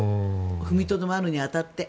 踏みとどまるに当たって。